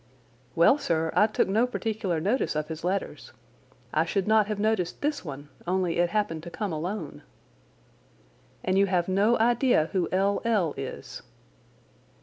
"Well, sir, I took no particular notice of his letters. I should not have noticed this one, only it happened to come alone." "And you have no idea who L. L. is?"